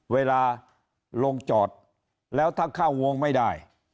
เวลาลงจอดแล้วถ้าเข้าวงไม่ได้